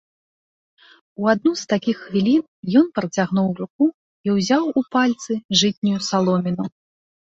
У адну з такіх хвілін ён працягнуў руку і ўзяў у пальцы жытнюю саломіну.